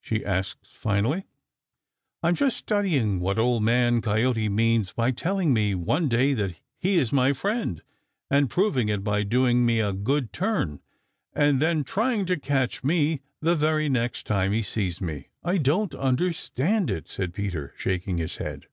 she asked finally. "I'm just studying what Old Man Coyote means by telling me one day that he is my friend, and proving it by doing me a good turn, and then trying to catch me the very next time he sees me. I don't understand it," said Peter, shaking his head.